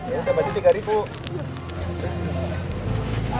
ya tambahin tiga ribu